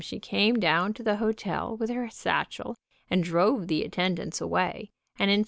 she came down to the hotel with her satchel, and drove the attendants away, and in